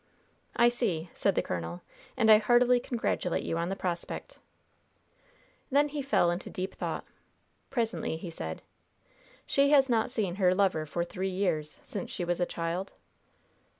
"I see," said the colonel, "and I heartily congratulate you on the prospect." Then he fell into deep thought. Presently he said: "She has not seen her lover for three years, since she was a child?"